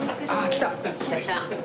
来た来た。